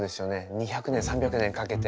２００年３００年かけて。